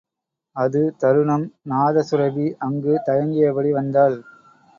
அது தருணம், நாதசுரபி அங்கு தயங்கியபடி வந்தாள்.